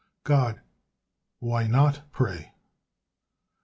God: "Why not, pray?"